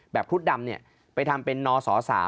แบบคุดดำไปทำเป็นนศศ